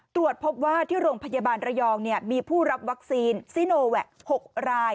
ที่โรงพยาบาลระยองมีผู้รับวัคซีนโนแวกค์๖ราย